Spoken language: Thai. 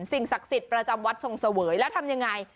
สิ่งศักดิ์สิทธิ์ประจำวัดทรงเสวยแล้วทำยังไง